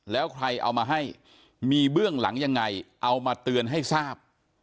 แล้วใครเอามาให้มีเบื้องหลังยังไงเอามาเตือนให้ทราบ